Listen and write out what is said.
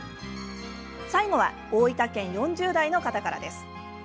最後は大分県４０代の方からです。